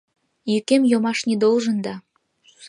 Йӱкем йомаш не должен да -